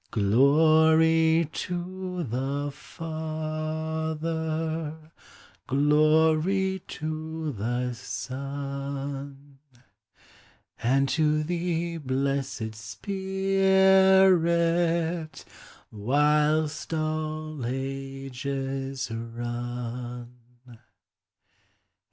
Glory to the Father, Glory to the Son, And to thee, blessed Spirit, Whilst all ages run.